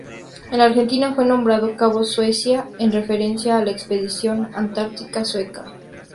En Argentina, fue nombrado cabo Suecia en referencia a la Expedición Antártica Sueca.